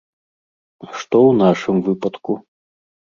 А што ў нашым выпадку?